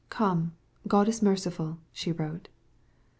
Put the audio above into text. "Come, God is merciful," she wrote.